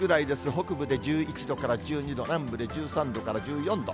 北部で１１度から１２度、南部で１３度から１４度。